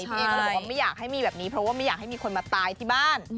พี่เอก็เลยบอกว่าไม่อยากให้มีแบบนี้เพราะว่าไม่อยากให้มีคนมาตายที่บ้าน